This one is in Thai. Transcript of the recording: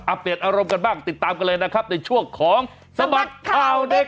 อัฟเอียดอารมณ์นี้บ้างติดตามกันเลยนะครับในช่วงของสมัครกล่าวเด็ก